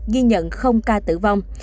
ghi nhận ca tử vong